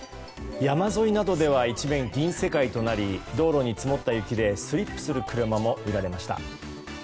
山沿いなどでは一面銀世界となり道路に積もった雪でスリップする車も見られました。